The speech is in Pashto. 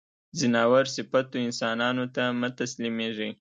ځناور صفتو انسانانو ته مه تسلیمېږی.